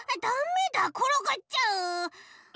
ダメだころがっちゃう。